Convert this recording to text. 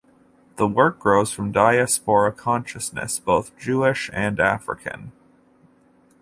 The work grows from diaspora consciousness: both Jewish and African.